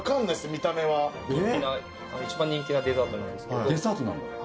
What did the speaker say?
見た目は人気な一番人気なデザートなんですけどデザートなんだ